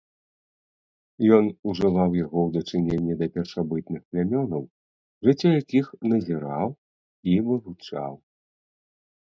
Ён ужываў яго ў дачыненні да першабытных плямёнаў, жыццё якіх назіраў і вывучаў.